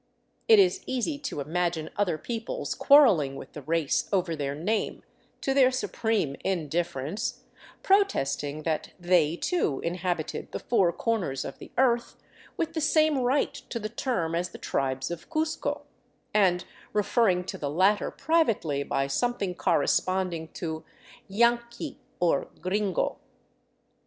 It is easy to imagine other peoples quarreling with the race over their name — to their supreme indifference — protesting that they, too, inhabited the Four Corners of the Earth, with the same right to the term as the tribes of Cuzco; and referring to the latter privately by something corresponding to " yanqui '* or " gringo."